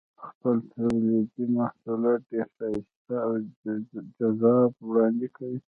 خپل تولیدي محصولات ډېر ښایسته او جذاب وړاندې کوي.